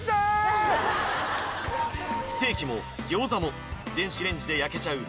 ステーキも餃子も電子レンジで焼けちゃう